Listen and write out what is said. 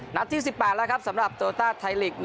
ที่๑๘แล้วครับสำหรับโตต้าไทยลีก๑